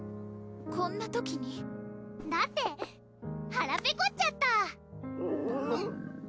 こんな時に？だってはらペコっちゃった！